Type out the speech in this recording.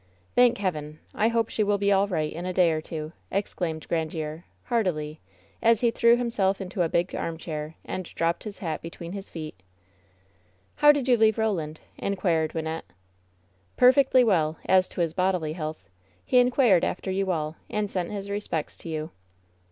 "Thank Heaven! I hope she will be all right in a day or two !" exclaimed Grandiere, heartily, as he threw himself into a big armchair and dropped his hat between his feet "How did you leave Roland ?" inquired Wynnette. "Perfectly well, as to his bodily health. He inquired after you all, and sent his respects to you."